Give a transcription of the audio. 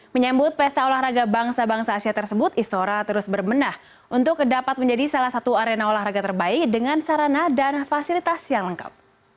menyambut pesta olahraga bangsa bangsa asia tersebut istora terus berbenah untuk dapat menjadi salah satu arena olahraga terbaik dengan sarana dan fasilitas yang lengkap